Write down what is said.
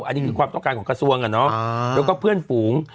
อันนี้คือความต้องการของกระทรวงแล้วก็เพื่อนฝูง